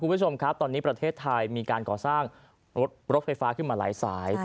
คุณผู้ชมครับตอนนี้ประเทศไทยมีการก่อสร้างรถไฟฟ้าขึ้นมาหลายสาย